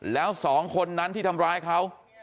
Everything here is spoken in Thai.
แล้วสองคนนั้นที่ทำร้ายเขา